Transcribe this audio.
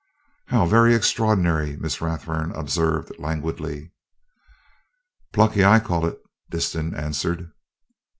"How very extraordinary!" Miss Rathburn observed languidly. "Plucky, I call it," Disston answered.